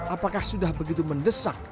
apakah sudah begitu mendesak